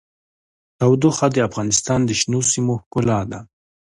تودوخه د افغانستان د شنو سیمو ښکلا ده.